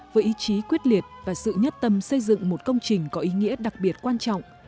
với ý chí quyết liệt và sự nhất tâm xây dựng một công trình có ý nghĩa đặc biệt quan trọng